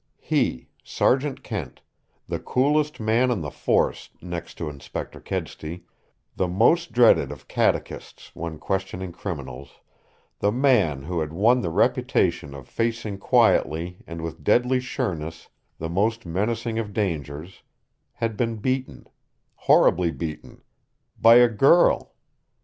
He, Sergeant Kent, the coolest man on the force next to Inspector Kedsty, the most dreaded of catechists when questioning criminals, the man who had won the reputation of facing quietly and with deadly sureness the most menacing of dangers, had been beaten horribly beaten by a girl!